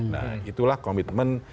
nah itulah komitmen